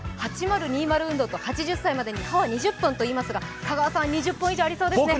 ８０２０運動と８０歳までに歯を２０本といいますが、香川さん２０本以上ありますね。